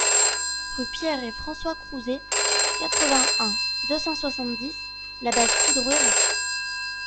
Rue Pierre et François Crouzet, quatre-vingt-un, deux cent soixante-dix Labastide-Rouairoux